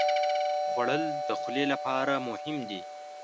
خوړل د خولې لپاره مهم دي